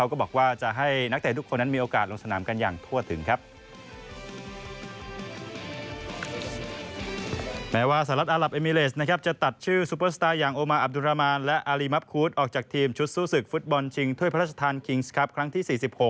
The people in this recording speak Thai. ออกจากทีมชุดสู้สึกฟุตบอลจริงถ้วยพระราชทานคิงส์ครับครั้งที่๔๖